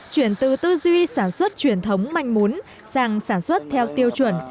chuyển từ tư duy sản xuất truyền thống manh mún sang sản xuất theo tiêu chuẩn